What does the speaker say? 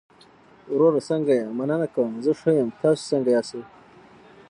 وروره څنګه يې؟ مننه کوم، زه ښۀ يم، تاسو څنګه ياستى؟